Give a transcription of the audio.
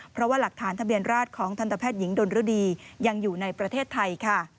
เพราะว่าหลักฐานทะเบียนราชของทันตแพทย์หญิงดนรดียังอยู่ในประเทศไทยค่ะ